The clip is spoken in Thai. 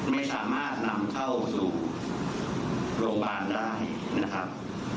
ไม่สามารถนำเข้าสู่โรงพยาบาลได้นะครับ